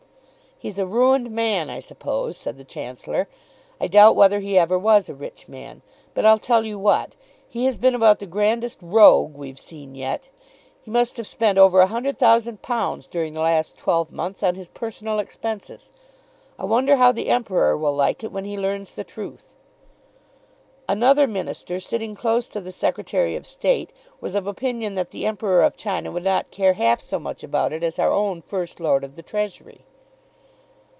"He's a ruined man, I suppose," said the Chancellor. "I doubt whether he ever was a rich man. But I'll tell you what; he has been about the grandest rogue we've seen yet. He must have spent over a hundred thousand pounds during the last twelve months on his personal expenses. I wonder how the Emperor will like it when he learns the truth." Another minister sitting close to the Secretary of State was of opinion that the Emperor of China would not care half so much about it as our own First Lord of the Treasury.